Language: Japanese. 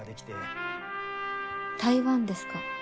台湾ですか。